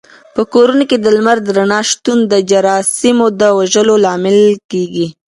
په کورونو کې د لمر د رڼا شتون د جراثیمو د وژلو لامل کېږي.